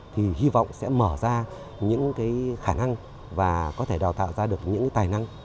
thì hy vọng sẽ mở ra những cái khả năng và có thể đào tạo ra được những tài năng